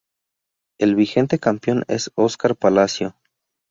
El vigente campeón es Oscar Palacio.